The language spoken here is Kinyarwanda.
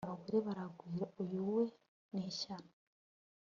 abagore baragwirauyu we nishyano